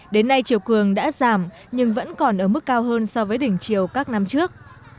đến nay chiều cường đã giảm nhưng vẫn còn ở mức cao hơn so với đỉnh chiều các năm trước